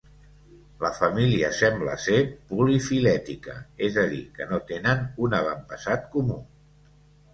La família sembla ser polifilètica, és a dir que no tenen un avantpassat comú.